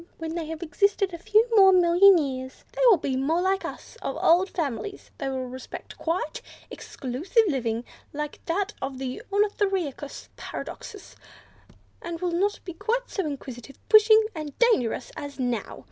When they have existed a few more million years, they will be more like us of old families; they will respect quiet, exclusive living, like that of the Ornithorhynchus Paradoxus, and will not be so inquisitive, pushing, and dangerous as now.